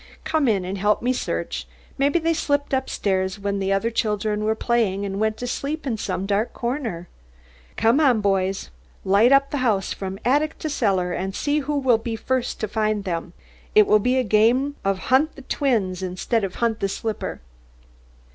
"Come in, and help me search. Maybe they slipped up stairs when the other children were playing, and went to sleep in some dark corner. Come on, boys. Light up the house from attic to cellar, and see who will be first to find them. It will be a game of hunt the twins, instead of hunt the slipper."